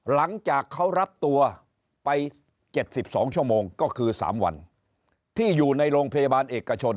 หลังจากเขารับตัวไป๗๒ชั่วโมงก็คือ๓วันที่อยู่ในโรงพยาบาลเอกชน